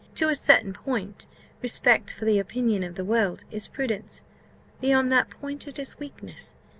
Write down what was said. To a certain point, respect for the opinion of the world is prudence; beyond that point, it is weakness.